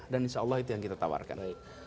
dan insya allah itu yang kita tawarkan